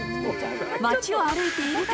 街を歩いていると。